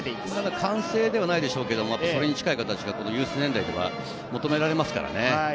完成ではないでしょうけどそれに近い形でユース年代でも求められますからね。